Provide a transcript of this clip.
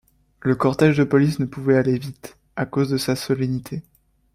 Le cortège de police ne pouvait aller vite, à cause de sa solennité.